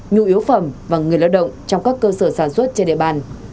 nhu yếu phẩm và người lao động trong các cơ sở sản xuất trên địa bàn